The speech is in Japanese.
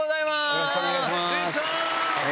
よろしくお願いします。